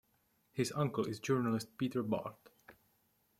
His uncle is journalist Peter Bart.